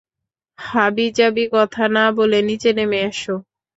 হাবিজাবি কথা না বলে নিচে নেমে এসো।